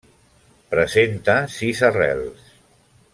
Presenta sis arrels.